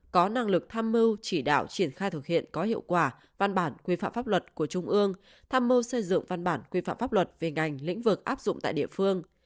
có năng lực tham mưu chỉ đạo triển khai thực hiện có hiệu quả văn bản quy phạm pháp luật của trung ương tham mưu xây dựng văn bản quy phạm pháp luật về ngành lĩnh vực áp dụng tại địa phương